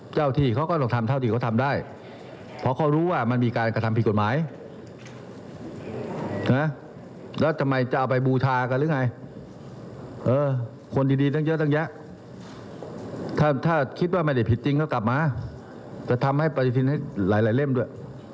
จะทำให้ปฏิทินให้หลายเหล่มด้วย